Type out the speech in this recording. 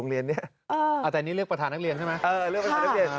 เออเลือกประธานักเรียน